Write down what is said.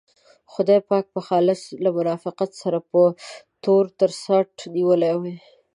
خدای پاک به خالص له منافقینو سره په تور تر څټ نیولی وي.